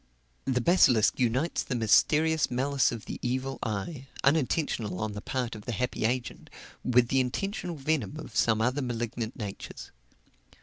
The basilisk unites the mysterious malice of the evil eye, unintentional on the part of the unhappy agent, with the intentional venom of some other malignant natures.